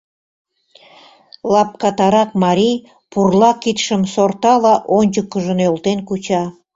Лапкатарак марий пурла кидшым сортала ончыкыжо нӧлтен куча.